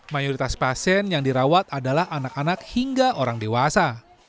mayoritas pasien yang dirawat adalah anak anak hingga orang dewasa